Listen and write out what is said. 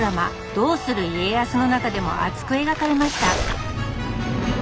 「どうする家康」の中でも熱く描かれました。